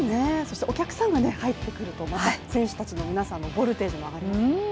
お客さんが入ってくると、また選手たちの皆さんのボルテージも上がりますね。